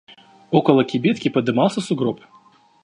Около кибитки подымался сугроб.